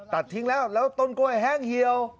ตัดทิ้งแล้วแล้วต้นกล้วยแห้งเหี่ยว